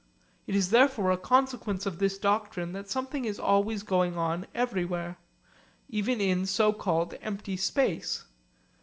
It is therefore a consequence of this doctrine that something is always going on everywhere, even in so called empty space.